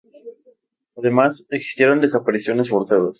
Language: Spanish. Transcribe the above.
Además, existieron desapariciones forzadas.